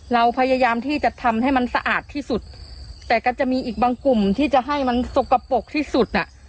เราพยายามที่จะทำให้มันสะอาดที่สุดแต่ก็จะมีอีกบางกลุ่มที่จะให้มันสกปรกที่สุดน่ะ